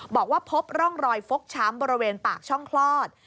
บอกว่าพบร่องรอยฟกช้ำบริเวณปากช่องคลอด